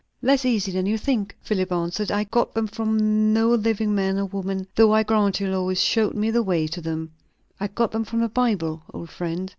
"Less easy than you think," Philip answered. "I got them from no living man or woman, though I grant you, Lois showed me the way to them. I got them from the Bible, old friend."